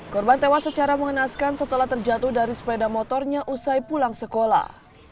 korban tewas secara mengenaskan setelah terjatuh dari sepeda motornya usai pulang sekolah